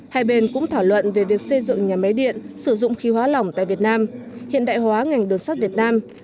hai bên cũng thảo luận về việc xây dựng nhà máy điện sử dụng khí hóa lỏng tại việt nam hiện đại hóa ngành đường sắt việt nam